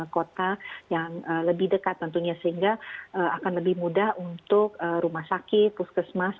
kota yang lebih dekat tentunya sehingga akan lebih mudah untuk rumah sakit puskesmas